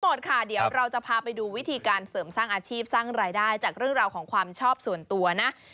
หมดค่ะเดี๋ยวเราจะพาไปดูวิธีการเสริมสร้างอาชีพสร้างรายได้จากเรื่องราวของความชอบส่วนตัวนะ